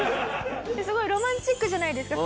すごいロマンチックじゃないですか？